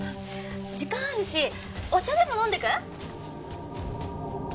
時間あるしお茶でも飲んでいく？